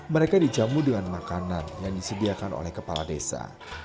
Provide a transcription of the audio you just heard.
mereka dijamu dengan makanan yang disediakan oleh kepala desa